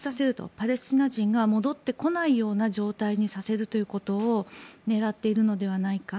パレスチナ人が戻ってこないような状態にさせるということを狙っているのではないか。